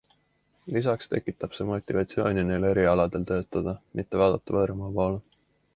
Lisaks tekitab see motivatsiooni neil erialadel töötada, mitte vaadata võõramaa poole.